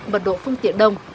bật độ phương tiện đông